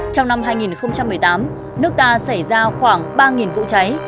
trong năm hai nghìn một mươi tám nước ta xảy ra khoảng ba vụ cháy